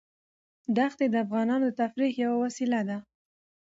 دښتې د افغانانو د تفریح یوه وسیله ده.